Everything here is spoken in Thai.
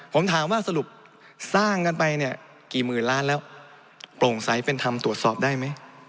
ผมถามว่าสรุปสร้างกันไปเนี่ยกี่หมื่นล้านแล้วโปร่งใสเป็นธรรมตรวจสอบได้ไหม